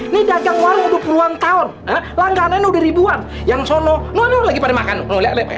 nih dagang walau dua puluh an tahun langganan udah ribuan yang solo lagi pada makan enak enak